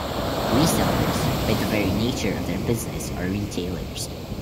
Resellers, by the very nature of their business are retailers.